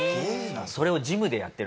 それをジムでやってる？